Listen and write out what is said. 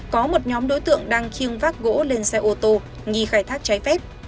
có một nhóm đối tượng đang chiêng vác gỗ lên xe ô tô nghi khai thác trái phép